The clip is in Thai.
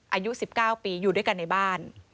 อายุ๑๙ปีอยู่ด้วยกันในบ้าน